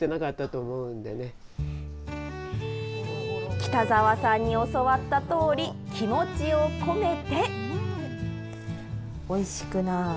北澤さんに教わったとおり、気持ちを込めて。